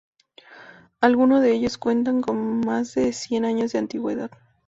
Alguno de ellos cuentan con más de cien años de antigüedad.